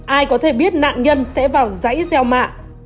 ai có thể biết nạn nhân sẽ vào dãy gieo mạ